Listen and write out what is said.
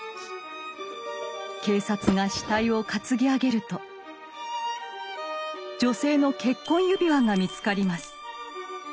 警察が死体を担ぎ上げると女性の結婚指輪が見つかります。